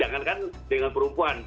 jangankan dengan perempuan